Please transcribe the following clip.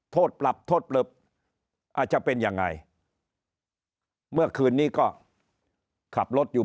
โทษปรับโทษปรับอาจจะเป็นยังไงเมื่อคืนนี้ก็ขับรถอยู่